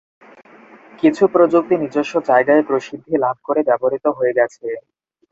কিছু প্রযুক্তি নিজস্ব জায়গায় প্রসিদ্ধি লাভ করে ব্যবহৃত হয়ে গেছে।